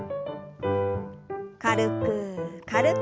軽く軽く。